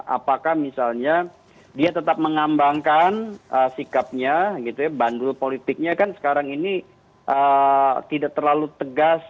apakah misalnya dia tetap mengembangkan sikapnya gitu ya bandul politiknya kan sekarang ini tidak terlalu tegas